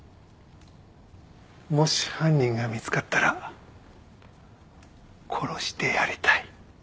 もし犯人が見つかったら「殺してやりたい」